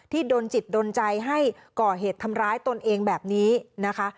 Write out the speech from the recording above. ดนจิตดนใจให้ก่อเหตุทำร้ายตนเองแบบนี้นะคะ